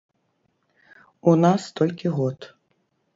У нас толькі год!